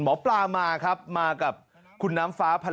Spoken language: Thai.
หมอปลาม้ามากับคุณน้ำฟ้าพละยา